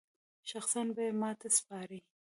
شخصاً به یې ماته سپاري.